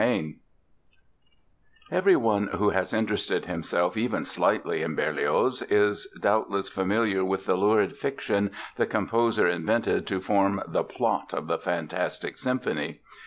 Everyone who has interested himself even slightly in Berlioz is doubtless familiar with the lurid fiction the composer invented to form the "plot" of the "Fantastic Symphony".